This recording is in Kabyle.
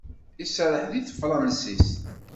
Iserreḥ deg tefṛansit.